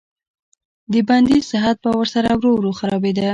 د بندي صحت به ورسره ورو ورو خرابېده.